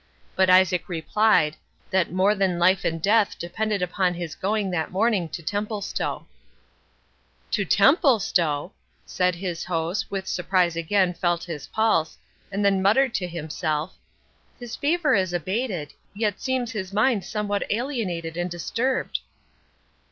But Isaac replied, that more than life and death depended upon his going that morning to Templestowe. "To Templestowe!" said his host with surprise again felt his pulse, and then muttered to himself, "His fever is abated, yet seems his mind somewhat alienated and disturbed."